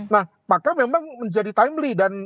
nah maka memang menjadi timlly dan